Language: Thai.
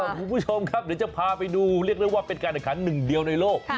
คุณผู้ชมครับเดี๋ยวจะพาไปดูเรียกได้ว่าเป็นการแข่งขันหนึ่งเดียวในโลก